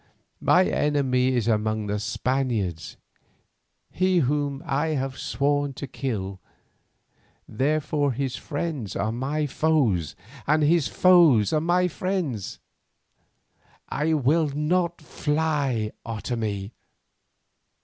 My enemy is among the Spaniards, he whom I have sworn to kill, therefore his friends are my foes and his foes my friends. I will not fly, Otomie."